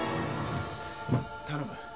頼む！